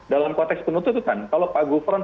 dalam konteks penuntutan kalau pak gufron